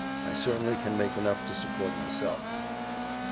I certainly can make enough to support myself."